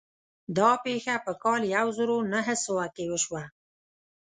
دا پېښه په کال يو زر و نهه سوه کې وشوه.